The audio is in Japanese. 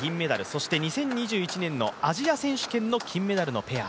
そして２０２１年のアジア選手権の金メダルのペア。